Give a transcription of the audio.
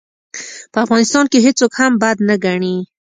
په افغانستان کې هېڅوک هم بد نه ګڼي.